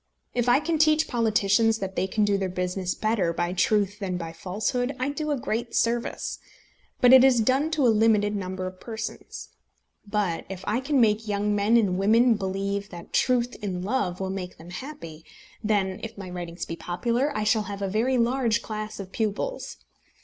If I can teach politicians that they can do their business better by truth than by falsehood, I do a great service; but it is done to a limited number of persons. But if I can make young men and women believe that truth in love will make them happy, then, if my writings be popular, I shall have a very large class of pupils.